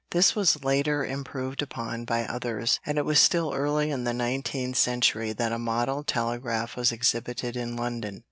This was later improved upon by others, and it was still early in the nineteenth century that a model telegraph was exhibited in London.